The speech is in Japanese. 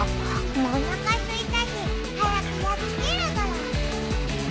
おなかすいたし早くやっつけるゴロ。